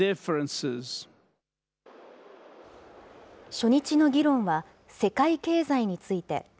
初日の議論は、世界経済について。